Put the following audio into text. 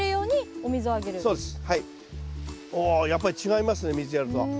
おやっぱり違いますね水やると。